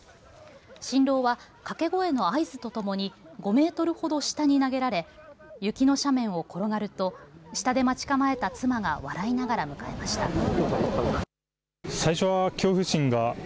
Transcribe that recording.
新郎は掛け声の合図とともに５メートルほど下に投げられ雪の斜面を転がると下で待ち構えた妻が笑いながら迎えました。